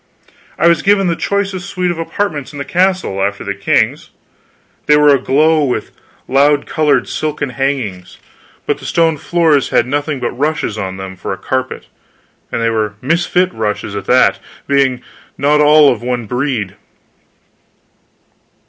I was given the choicest suite of apartments in the castle, after the king's. They were aglow with loud colored silken hangings, but the stone floors had nothing but rushes on them for a carpet, and they were misfit rushes at that, being not all of one breed.